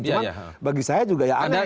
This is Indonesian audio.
cuma bagi saya juga ya aneh